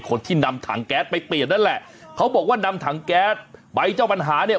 คนที่นำถังแก๊สไปเปลี่ยนนั่นแหละเขาบอกว่านำถังแก๊สใบเจ้าปัญหาเนี่ย